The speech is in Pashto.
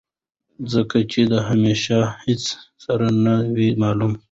ځکه چې د همېشه هېڅ سر نۀ وي معلوم